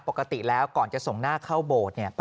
ปกติแล้วก่อนจะส่งหน้าเข้าโบสถ์